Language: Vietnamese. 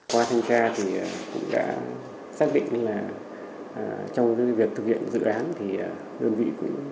qua thanh tra thì cũng đã xác định là trong việc thực hiện dự án thì đơn vị cũng